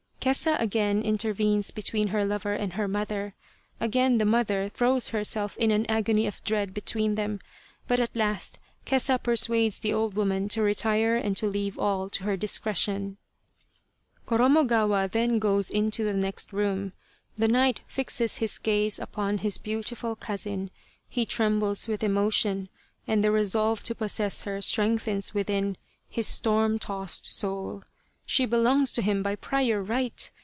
Kesa again intervenes between her lover and her mother ; again the mother throws herself in an agony of dread between them ; but at last Kesa persuades the old woman to retire and to leave all to her dis cretion. Koromogawa then goes into the next room. The knight fixes his gaze upon his beautiful cousin, he trembles with emotion, and the resolve to possess her strengthens within his storm tossed soul. She belongs to him by prior right.